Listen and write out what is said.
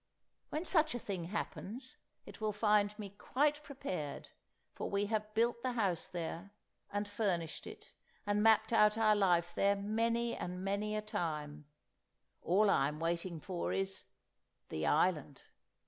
When such a thing happens, it will find me quite prepared, for we have built the house there, and furnished it, and mapped out our life there many and many a time; all I am waiting for is—the island!